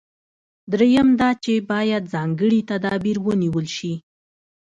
درېیم دا چې باید ځانګړي تدابیر ونیول شي.